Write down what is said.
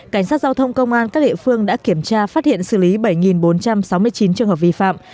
cảnh sát giao thông công an các địa phương đã kiểm tra phát hiện xử lý bảy bốn trăm sáu mươi chín trường hợp vi phạm